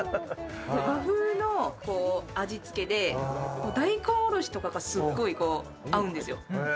和風のあじつけで大根おろしとかがすごい合うんですよ。